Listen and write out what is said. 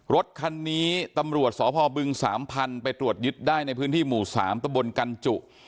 รถคันนี้ตำรวจสพบึงสาหพันธุ์ไปตรวจยึดได้ในพื้นที่หมู่๓ตกรัมหนจุ